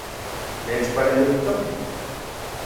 Nechpaleuijtokej